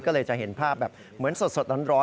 ก็เลยจะเห็นภาพแบบเหมือนสดร้อน